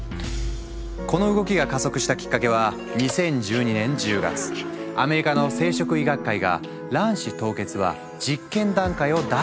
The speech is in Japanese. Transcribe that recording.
この動きが加速したきっかけは２０１２年１０月アメリカの生殖医学会が卵子凍結は実験段階を脱した！と宣言したから。